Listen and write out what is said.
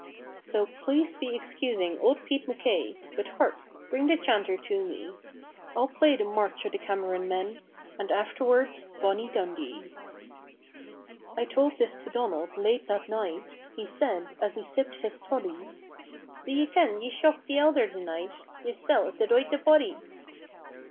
"So please be excusing old Pete MacKay But hark! bring the chanter to me, I'll play the 'March o' the Cameron Men,' And afterward 'Bonnie Dundee.'" I told this to Donald late that night; He said, as he sipped his toddy, "Do ye ken ye shocked the elder the night? Yersel' is the doited body.